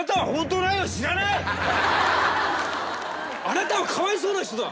あなたはかわいそうな人だ。